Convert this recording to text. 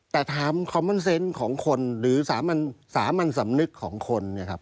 แต่ถามคอมมอนเซนต์ของคนหรือสามัญสำนึกของคนเนี่ยครับ